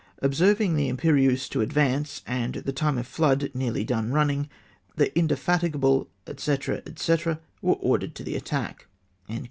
Observing the Im perieuse to advance, and the time of flood nearly done running, the Indefatigable, &c. &c. were ordered to the attack